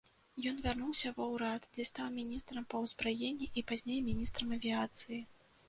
Ён вярнуўся ва ўрад, дзе стаў міністрам па ўзбраенні і пазней міністрам авіяцыі.